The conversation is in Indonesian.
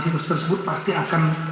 tersebut pasti akan